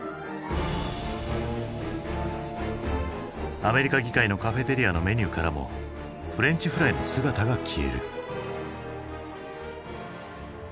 アメリカ議会のカフェテリアのメニューからもフレンチフライの姿が消える。